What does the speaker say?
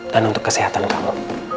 dan untuk kesehatan kamu